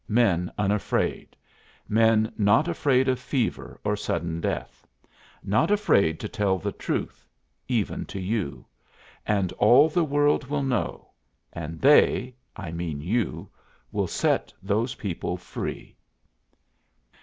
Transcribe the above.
Men unafraid; men not afraid of fever or sudden death; not afraid to tell the truth even to you. And all the world will know. And they I mean you will set those people free!"